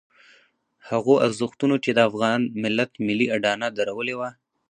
هغو ارزښتونو چې د افغان ملت ملي اډانه درولې وه.